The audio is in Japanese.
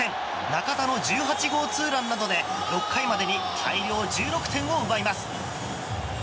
中田の１８号ツーランなどで６回までに大量１６点を奪います。